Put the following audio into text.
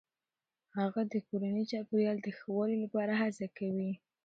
هغه د کورني چاپیریال د ښه والي لپاره هڅه کوي.